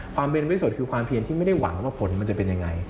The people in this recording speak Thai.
ความเป็นบริสุทธิ์คือความเพียรที่ไม่ได้หวังว่าผลมันจะเป็นอย่างไร